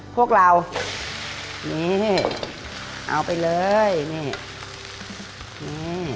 พวกเรานี่เอาไปเลยนี่นี่